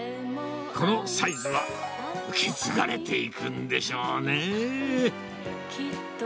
このサイズは、受け継がれていくんでしょうね。